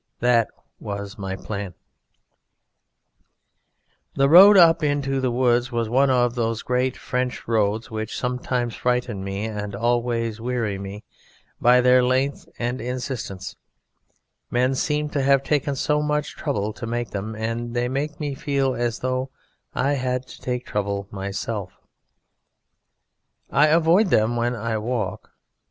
That was my plan. "The road up into the woods was one of those great French roads which sometimes frighten me and always weary me by their length and insistence: men seem to have taken so much trouble to make them, and they make me feel as though I had to take trouble myself; I avoid them when I walk.